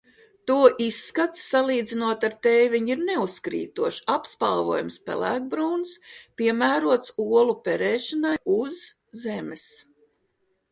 To izskats, salīdzinot ar tēviņu, ir neuzkrītošs, apspalvojums pelēkbrūns, piemērots olu perēšanai uz zemes.